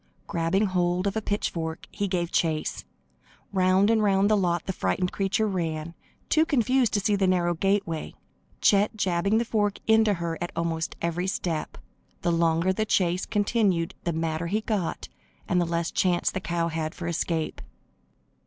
Grabbing hold of a pitchfork, he gave chase. Round and round the lot the frightened creature ran, too confused to see the narrow gateway, Chet jabbing the fork into her at almost every step. The longer the chase continued the madder he got and the less chance the cow had for escape.